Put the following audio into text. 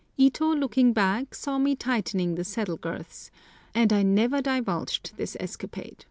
Ito looking back saw me tightening the saddle girths, and I never divulged this escapade.